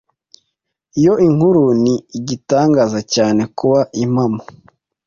Iyo nkuru ni igitangaza cyane kuba impamo.